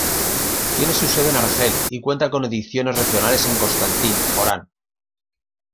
Tiene su sede en Argel y cuenta con ediciones regionales en Constantine, Orán...